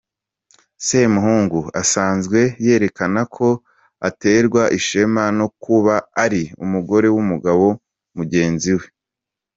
Semuhungu asanzwe yerekana ko aterwa ishema no kuba ari umugore w’umugabo mugenzi we.